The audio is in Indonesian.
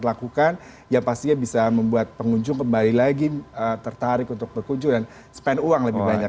ya dalam waktu dekat yang akan transmart lakukan ya pastinya bisa membuat pengunjung kembali lagi tertarik untuk berkunjung dan spend uang lebih banyak